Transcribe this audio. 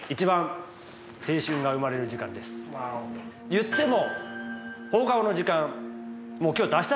いっても。